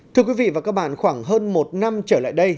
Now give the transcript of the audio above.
thưa quý vị và các bạn khoảng hơn một năm trở lại đây